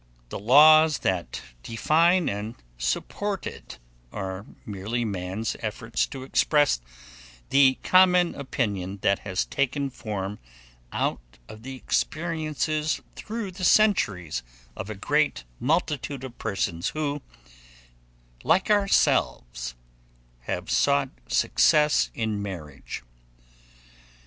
The laws that define and support it are merely man's efforts to express the common opinion that has taken form out of the experiences through the centuries of a great multitude of persons who, like ourselves, have sought success in marriage.